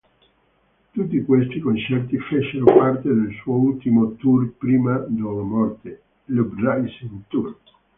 Tutti questi concerti fecero parte del suo ultimo tour prima della morte, l'"Uprising Tour".